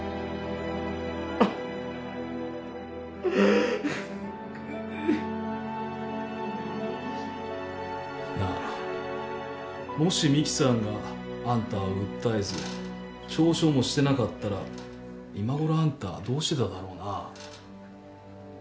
あ！なあもし美樹さんがあんたを訴えず嘲笑もしてなかったら今ごろあんたどうしてただろうな。